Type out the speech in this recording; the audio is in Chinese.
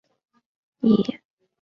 渣甸以其专横高傲而知名。